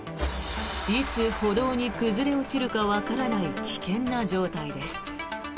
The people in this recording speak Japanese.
いつ歩道に崩れ落ちるかわからない危険な状態です。